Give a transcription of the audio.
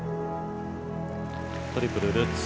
トリプルルッツ。